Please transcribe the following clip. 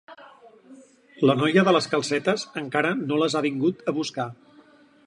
La noia de les calcetes encara no les ha vingut a buscar